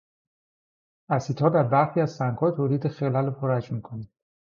اسیدها در برخی از سنگها تولید خلل و فرج میکنند.